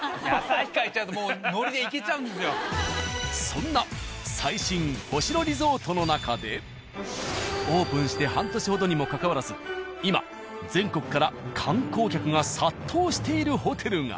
そんな最新星野リゾ―トの中でオープンして半年ほどにもかかわらず今全国から観光客が殺到しているホテルが。